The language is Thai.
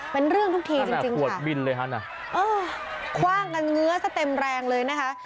เป็นเรื่องทุกทีจริงค่ะเอ้อคว่างกันเงื้อเสียเต็มแรงเลยนะคะ